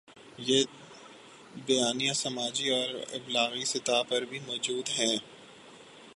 یہ بیانیے سماجی اور ابلاغی سطح پر بھی موجود ہیں۔